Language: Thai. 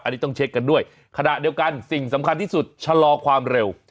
อันนี้ต้องเช็คกันด้วยขณะเดียวกันสิ่งสำคัญที่สุดชะลอความเร็ว